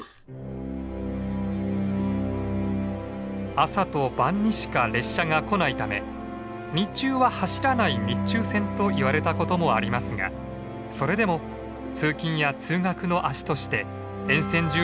朝と晩にしか列車が来ないため「日中は走らない日中線」といわれたこともありますがそれでも通勤や通学の足として沿線住民の生活を支え続けました。